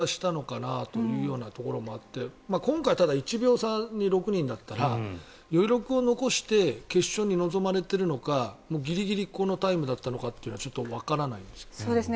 あれもちょっと余力を残しながら予選通過したのかなというようなところもあって今回、ただ１秒差に６人だったら余力を残して決勝に臨まれているのかギリギリこのタイムだったのかというのはわからないですよね。